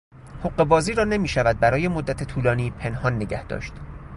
حقهبازی را نمیشود برای مدت طولانی پنهان نگه داشت.